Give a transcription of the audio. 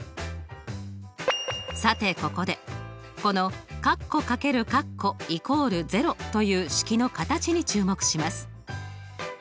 さてここでこのカッコ掛けるカッコイコール０という式の形に注目します。